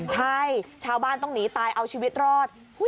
ใช่ชาวบ้านต้องหนีตายเอาชีวิตรอด